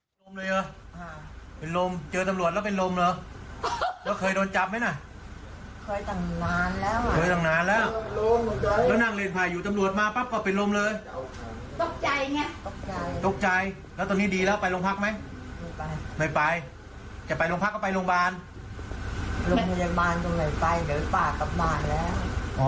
ไปโรงพยาบาลลงโรงพยาบาลตรงไหนไปเดี๋ยวพี่ป่ากลับบ้านแล้ว